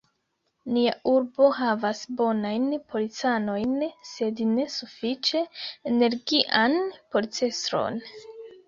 Nia urbo havas bonajn policanojn, sed ne sufiĉe energian policestron.